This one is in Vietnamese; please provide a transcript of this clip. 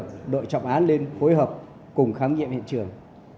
và đồng chí nguyễn đức trung đã lên phối hợp cùng khám nghiệm hiện trường